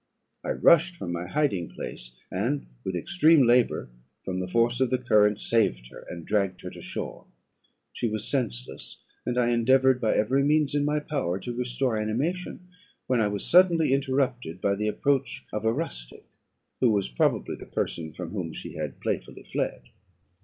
I rushed from my hiding place; and, with extreme labour from the force of the current, saved her, and dragged her to shore. She was senseless; and I endeavoured, by every means in my power, to restore animation, when I was suddenly interrupted by the approach of a rustic, who was probably the person from whom she had playfully fled.